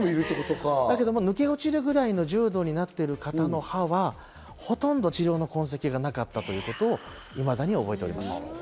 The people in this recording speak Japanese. だけども抜け落ちるくらいの重度になってる方の歯は、ほとんど治療の痕跡がなかったということをいまだに覚えております。